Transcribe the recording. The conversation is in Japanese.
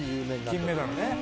金メダルね。